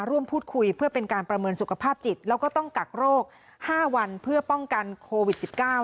ร่วมพูดคุยเพื่อเป็นการประเมินสุขภาพจิตแล้วก็ต้องกักโรค๕วันเพื่อป้องกันโควิด๑๙